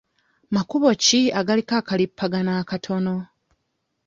Makubo ki agaliko akalipagano akatono?